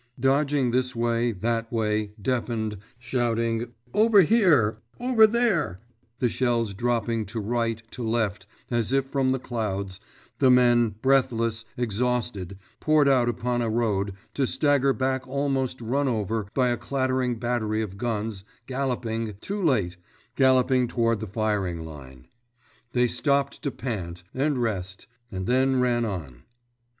Dodging this way, that way, deafened, shouting over here—over there—the shells dropping to right, to left, as if from the clouds, the men, breathless, exhausted, poured out upon a road, to stagger back almost run over by a clattering battery of guns galloping, too late, galloping toward the firing line. They stopped to pant, and rest; and then ran on.